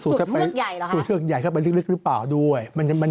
สูตรเมืองใหญ่ขึ้นไปหรือเปล่าด้วยสูตรเมืองใหญ่บาง